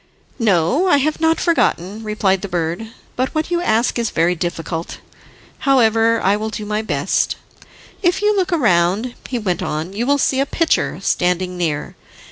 "No, I have not forgotten," replied the bird, "but what you ask is very difficult. However, I will do my best. If you look round," he went on, "you will see a pitcher standing near.